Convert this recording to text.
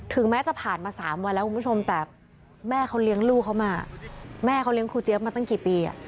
แม้จะผ่านมา๓วันแล้วคุณผู้ชมแต่แม่เขาเลี้ยงลูกเขามาแม่เขาเลี้ยงครูเจี๊ยบมาตั้งกี่ปี